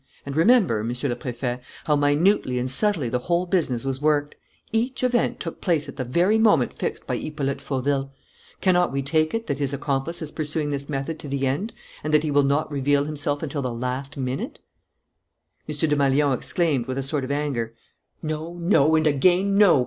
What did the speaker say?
And remember, Monsieur le Préfet, how minutely and subtly the whole business was worked. Each event took place at the very moment fixed by Hippolyte Fauville. Cannot we take it that his accomplice is pursuing this method to the end and that he will not reveal himself until the last minute?" M. Desmalions exclaimed, with a sort of anger: "No, no, and again no!